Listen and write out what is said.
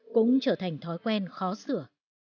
cũng trở thành thói quen khó sửa